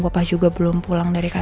buat janji dan ketemu sama bu rosa